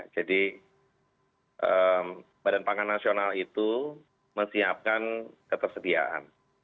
jadi badan pangan nasional itu mesiapkan ketersediaan